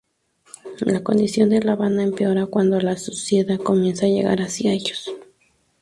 La condición de la banda empeora cuando la suciedad comienza a llegar hacia ellos.